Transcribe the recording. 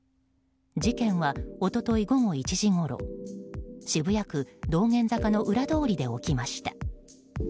事件は一昨日午後１時ごろ渋谷区道玄坂の裏通りで起きました。